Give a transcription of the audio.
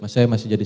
saya masih jadi